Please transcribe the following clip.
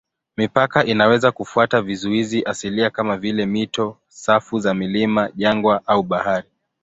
Mipaka inaweza kufuata vizuizi asilia kama vile mito, safu za milima, jangwa au bahari.